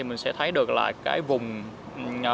mình sẽ thấy được vùng